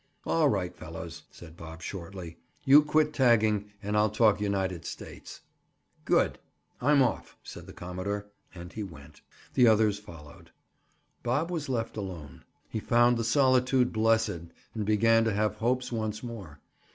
"All right, fellows," said Bob shortly. "You quit tagging and I'll talk United States." "Good. I'm off," said the commodore. And he went. The others followed. Bob was left alone. He found the solitude blessed and began to have hopes once more.